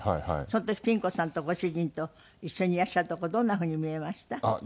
その時ピン子さんとご主人と一緒にいらっしゃるとこどんな風に見えました？